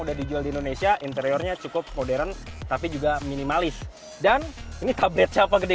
udah dijual di indonesia interiornya cukup modern tapi juga minimalis dan ini tablet siapa gede